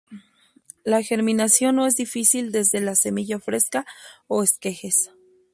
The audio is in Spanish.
La germinación no es difícil desde la semilla fresca o esquejes.